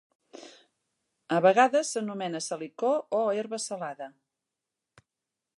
A vegades s'anomena salicor o herba salada.